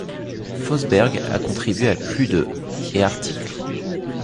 Fosberg a contribué à plus de et articles.